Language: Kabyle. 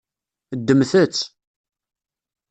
Ddmet-tt.